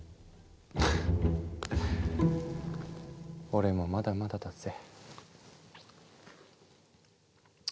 俺もまだまだだぜ。